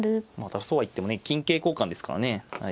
そうはいってもね金桂交換ですからね。